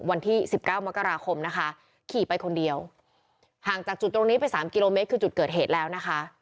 วันที่๑๙มกราคมนะคะขี่ไปคนเดียวห่างจากจุดตรงนี้ไปสามกิโลเมตรคือจุดเกิดเหตุแล้วนะคะ